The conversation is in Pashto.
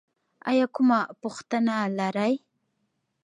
ایا کومه پوښتنه لرئ؟